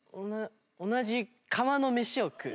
同じ釜の飯を食う。